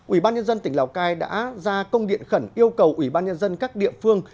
ủy ban nhân dân tỉnh lào cai đã ra công điện khẩn yêu cầu ủy ban nhân dân các địa phương